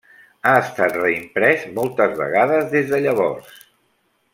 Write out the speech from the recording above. Ha estat reimprès moltes vegades des de llavors.